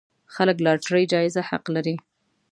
خلک لاټرۍ جايزه حق لري.